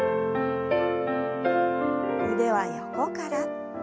腕は横から。